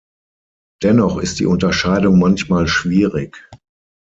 Dennoch ist die Unterscheidung manchmal schwierig.